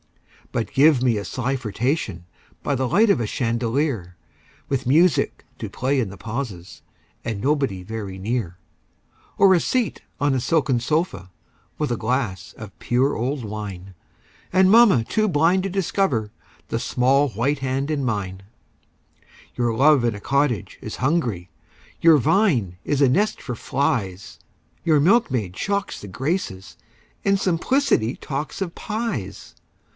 But give me a sly flirtation By the light of a chandelier With music to play in the pauses, And nobody very near; Or a seat on a silken sofa, With a glass of pure old wine, And mamma too blind to discover The small white hand in mine. Your love in a cottage is hungry, Your vine is a nest for flies Your milkmaid shocks the Graces, And simplicity talks of pies!